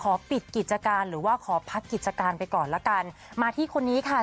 ปิดกิจการหรือว่าขอพักกิจการไปก่อนละกันมาที่คนนี้ค่ะ